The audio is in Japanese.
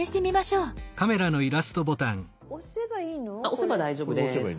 押せば大丈夫です。